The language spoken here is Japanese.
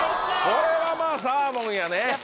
これはまぁサーモンやね